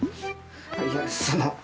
いやその。